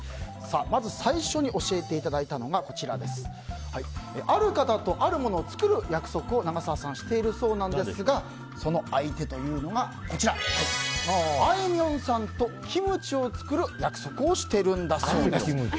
まず最初に教えていただいたのがある方とあるものを作る約束を長澤さんはしているそうですがその相手というのがあいみょんさんとキムチを作る約束をしているんだそうです。